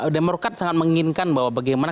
demokrat sangat menginginkan bahwa bagaimana